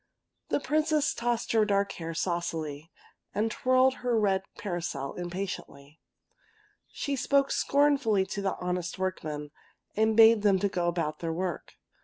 The Princess tossed her dark head saucily, and twirled her red silk parasol impatiently. She spoke scornfully to the honest workmen, and bade them go about their work.